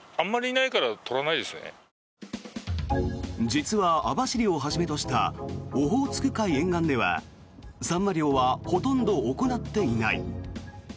実は網走をはじめとしたオホーツク海沿岸ではサンマ漁はほとんど行っていない。